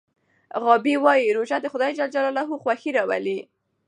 غابي وایي روژه د خدای خوښي راوړي.